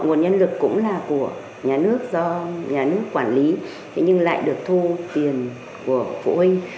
nguồn nhân lực cũng là của nhà nước do nhà nước quản lý nhưng lại được thu tiền của phụ huynh